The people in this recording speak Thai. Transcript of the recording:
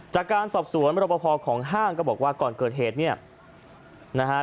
จากการสอบสวนประพอของห้างก็บอกว่าก่อนเกิดเหตุเนี่ยนะฮะ